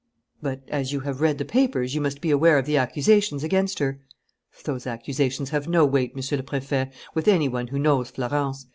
"But, as you have read the papers, you must be aware of the accusations against her?" "Those accusations have no weight, Monsieur le Préfet, with any one who knows Florence.